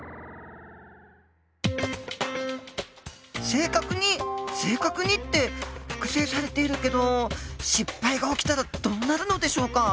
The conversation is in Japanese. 正確に正確にって複製されているけど失敗が起きたらどうなるのでしょうか？